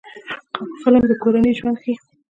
فلم د کورنۍ ژوند ښيي